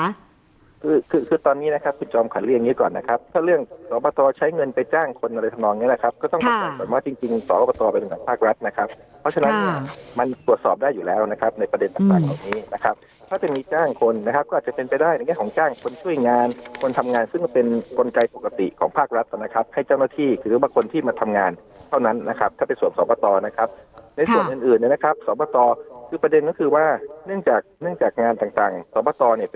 คือคือคือตอนนี้นะครับคุณจอมขอเรียนอย่างงี้ก่อนนะครับถ้าเรื่องสอบบัตรใช้เงินไปจ้างคนอะไรทำนองอย่างเงี้ยนะครับก็ต้องคำว่าจริงจริงสอบบัตรไปดังกับภาครัฐนะครับเพราะฉะนั้นเนี้ยมันสวดสอบได้อยู่แล้วนะครับในประเด็นต่างตรงนี้นะครับถ้าเป็นมีจ้างคนนะครับก็อาจจะเป็นไปได้ในการของจ้างคนช่